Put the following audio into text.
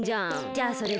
じゃあそれで。